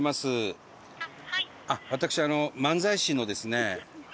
私漫才師のですね